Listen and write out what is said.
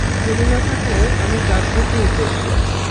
জমি না থাকলে, আমি জাগবো কী উদ্দেশ্যে?